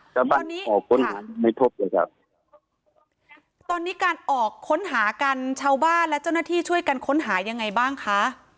ครับครับตอนนี้ตอนนี้การออกค้นหากันชาวบ้านและเจ้าหน้าที่ช่วยกันค้นหายังไงบ้างคะ